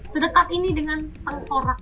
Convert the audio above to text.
sedekat ini dengan tengkorak